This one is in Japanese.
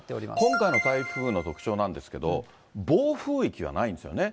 今回の台風の特徴なんですけど、暴風域がないんですよね。